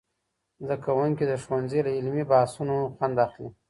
زدهکوونکي د ښوونځي له علمي بحثونو خوند اخلي.